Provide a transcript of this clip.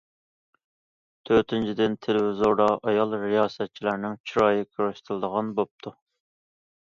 تۆتىنچىدىن، تېلېۋىزوردا ئايال رىياسەتچىلەرنىڭ چىرايى كۆرسىتىلىدىغان بوپتۇ.